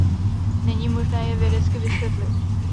Není možné je vědecky vysvětlit.